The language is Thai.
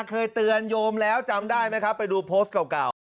เคยเตือนโยมแล้วจำได้ไหมครับไปดูโพสต์เก่า